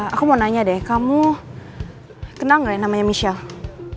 aku mau nanya deh kamu kenal gak namanya michelle